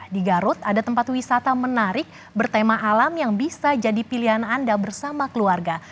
di garut ada tempat wisata menarik bertema alam yang bisa jadi pilihan anda bersama keluarga